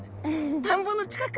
田んぼの近く。